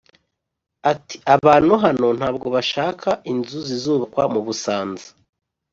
Ati “Abantu hano ntabwo bashaka inzu zizubakwa mu Busanza